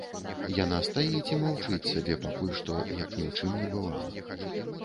Яна стаіць і маўчыць сабе пакуль што, як ні ў чым не бывала.